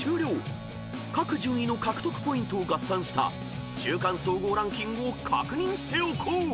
［各順位の獲得ポイントを合算した中間総合ランキングを確認しておこう］